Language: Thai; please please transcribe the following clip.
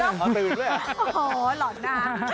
หอหอเหล่าน่า